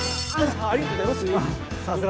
ありがとうございます。